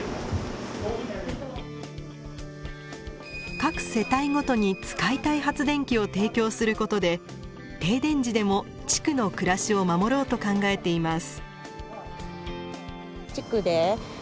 各世帯ごとに使いたい発電機を提供することで停電時でも地区の暮らしを守ろうと考えています。